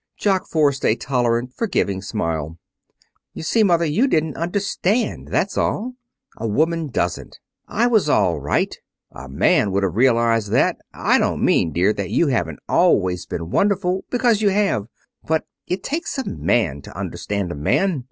Jock smiled a tolerant, forgiving smile. "You see, Mother, you didn't understand, that's all. A woman doesn't. I was all right. A man would have realized that. I don't mean, dear, that you haven't always been wonderful, because you have. But it takes a man to understand a man.